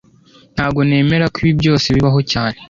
Ntago nemera ko ibi byose bibaho cyane